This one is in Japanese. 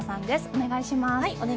お願いします。